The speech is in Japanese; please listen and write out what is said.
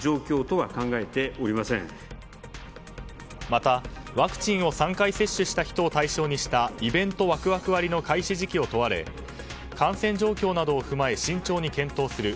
また、ワクチンを３回接種した人を対象にしたイベントワクワク割の開始時期を問われ感染状況などを踏まえ慎重に検討する。